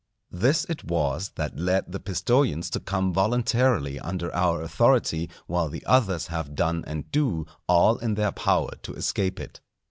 This it was that led the Pistojans to come voluntarily under our authority while the others have done and do all in their power to escape it.